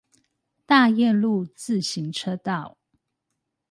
大業路自行車道